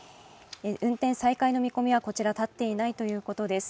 運転再開の見込みはこちらは立っていないということです。